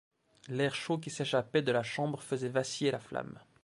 L'air chaud qui s'échappait de la chambre faisait vaciller la flamme.